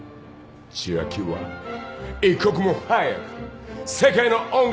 千秋は一刻も早く世界の音楽に触れるべき！